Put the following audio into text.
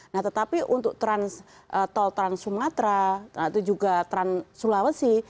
nah tetapi untuk tol trans sumatera itu juga trans sulawesi